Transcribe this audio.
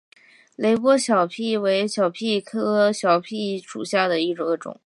雷波小檗为小檗科小檗属下的一个种。